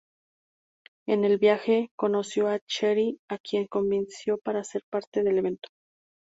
En el viaje, conoció a Chery a quien convenció para ser parte del evento.